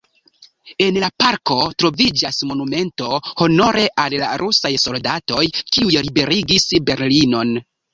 En la parko troviĝas monumento honore al la rusaj soldatoj, kiuj liberigis Berlinon.